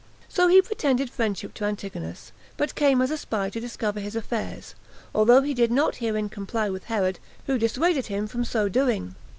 So he pretended friendship to Antigonus, but came as a spy to discover his affairs; although he did not herein comply with Herod, who dissuaded him from so doing.